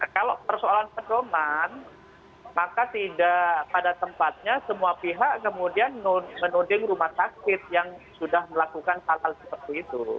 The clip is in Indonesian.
kalau persoalan pedoman maka tidak pada tempatnya semua pihak kemudian menuding rumah sakit yang sudah melakukan hal hal seperti itu